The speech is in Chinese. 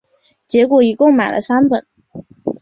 结果就一共买了三本